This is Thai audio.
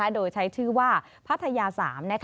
โดยใช้ชื่อว่าพัทยา๓